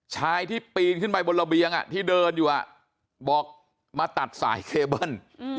ชายที่ปีนขึ้นไปบนระเบียงที่เดินอยู่บอกมาตัดสายเคเบิ้ล